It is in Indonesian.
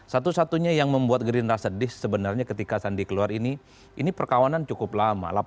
satu satunya yang membuat gerindra sedih sebenarnya ketika sandi keluar ini ini perkawanan cukup lama